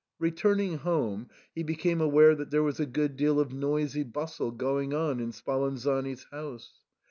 " Returning home, he became aware that there was a good deal of noisy bustle going on in Spalanzani's house.